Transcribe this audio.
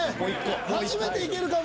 初めていけるかも。